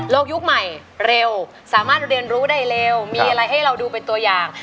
ยุคใหม่เร็วสามารถเรียนรู้ได้เร็วมีอะไรให้เราดูเป็นตัวอย่าง